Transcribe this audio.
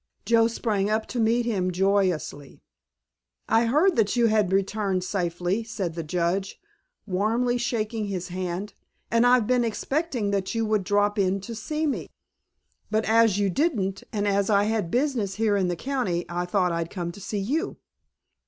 Joe sprang up to meet him joyously. "I heard that you had returned safely," said the Judge, warmly shaking his hand, "and I've been expecting that you would drop in to see me. But as you didn't, and as I had business here in the county, I thought I'd come to see you."